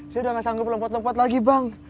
gue udah gak sanggup lempot lempot lagi bang